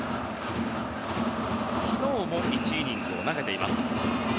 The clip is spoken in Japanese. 昨日も１イニングを投げています。